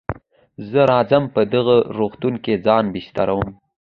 زه راځم په دغه روغتون کې ځان بستروم.